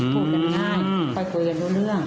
พูดง่ายค่อยเรื่อง